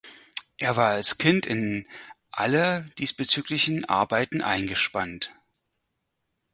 Er war als Kind in alle diesbezüglichen Arbeiten eingespannt.